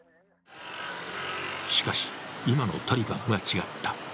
しかし、今のタリバンは違った。